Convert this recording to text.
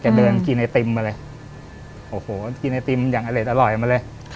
เดินกินไอติมมาเลยโอ้โหกินไอติมอย่างอเล็ดอร่อยมาเลย